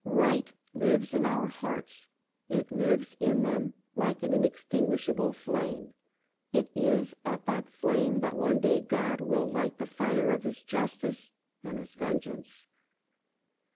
Right lives in our hearts, it lives in them "like an inextinguishable flame; it is at that flame that one day God will light the fire of His justice and His vengeance."